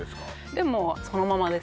でもそのままです